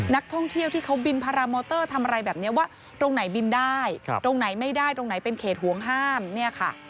นักท่องเที่ยวที่เขาบินพารามอเตอร์ทำอะไรแบบนี้ว่าตรงไหนบินได้ตรงไหนไม่ได้ตรงไหนเป็นเขตห่วงห้ามเนี่ยค่ะ